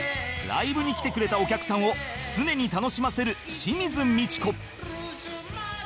ライブに来てくれたお客さんを常に楽しませる清水ミチコ